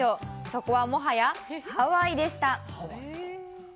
そこは、もはやハワイでした。